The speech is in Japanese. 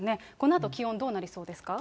このあと気温どうなりそうですか。